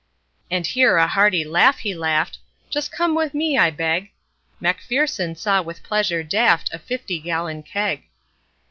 And here a hearty laugh he laughed, 'Just come wi' me, I beg.' MacFierce'un saw with pleasure daft A fifty gallon keg.